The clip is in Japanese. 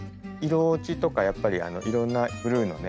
色落ちとかやっぱりいろんなブルーのね